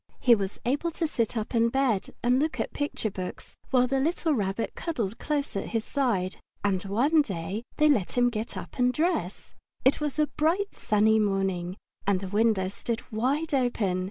He was able to sit up in bed and look at picture books, while the little Rabbit cuddled close at his side. And one day, they let him get up and dress. It was a bright, sunny morning, and the windows stood wide open.